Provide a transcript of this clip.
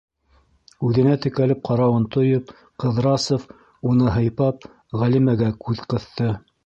Үҙенә текәлеп ҡарауын тойоп, Ҡыҙрасов, уны һыйпап, Ғәлимәгә күҙ ҡыҫты.